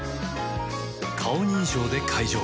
顔認証で解錠